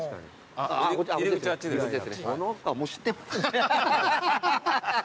あっもう知ってますね。